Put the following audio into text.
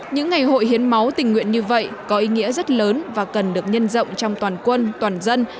những ngày hội hiến máu tình nguyện như vậy có ý nghĩa rất lớn và cần được nhân rộng trong toàn quân toàn dân